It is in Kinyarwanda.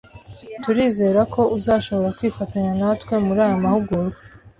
Turizera ko uzashobora kwifatanya natwe muri aya mahugurwa